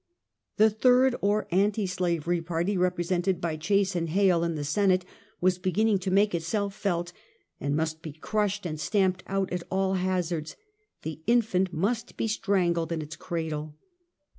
The third, or anti slavery party, represented by Chase and Hale in the Senate, was beginning to make itself felt, and must be crushed and stamped out at all hazards — the infant must be strangled in its cradle.